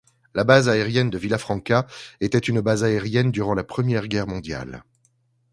La base aérienne de Villafranca était une base aérienne durant la Première Guerre mondiale.